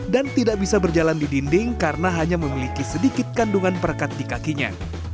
dan tidak bisa berjalan di dinding karena hanya memiliki sedikit kandungan perekat di kakinya